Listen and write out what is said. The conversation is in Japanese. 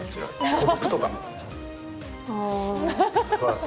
コップとか？